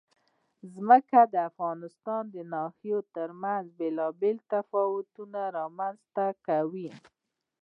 ځمکه د افغانستان د ناحیو ترمنځ بېلابېل تفاوتونه رامنځ ته کوي.